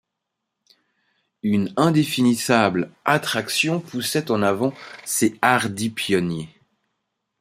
Une indéfinissable attraction poussait en avant ces hardis pionniers.